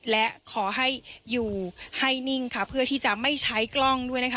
และขอให้อยู่ให้นิ่งค่ะเพื่อที่จะไม่ใช้กล้องด้วยนะคะ